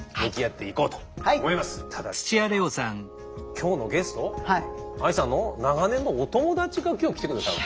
今日のゲストＡＩさんの長年のお友達が今日来て下さる。